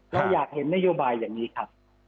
เราอยากเห็นนโยบายอย่างนี้ครับ